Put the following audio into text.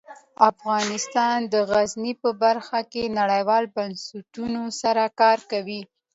افغانستان د غزني په برخه کې نړیوالو بنسټونو سره کار کوي.